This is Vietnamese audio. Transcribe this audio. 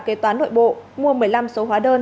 kế toán nội bộ mua một mươi năm số hóa đơn